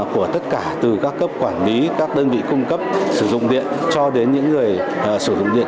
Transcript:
của tất cả từ các cấp quản lý các đơn vị cung cấp sử dụng điện cho đến những người sử dụng điện